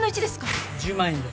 １０万円で。